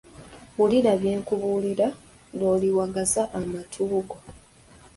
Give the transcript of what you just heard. Wulira bye nkubuulira lw’oliwangaaza amatu go